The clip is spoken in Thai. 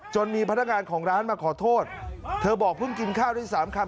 มีพนักงานของร้านมาขอโทษเธอบอกเพิ่งกินข้าวได้สามคำ